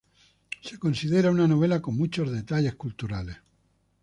Se considera una novela con muchos detalles culturales.